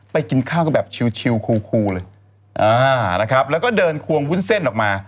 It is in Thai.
กินข้าวกันแบบชิวคูเลยอ่านะครับแล้วก็เดินควงวุ้นเส้นออกมา